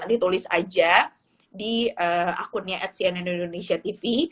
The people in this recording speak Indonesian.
nanti tulis aja di akunnya atcnn indonesia tv